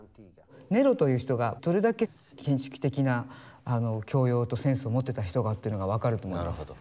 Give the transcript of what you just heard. ネロという人がどれだけ建築的な教養とセンスを持ってた人かってのが分かると思います。